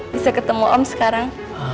bisa ketemu om sekarang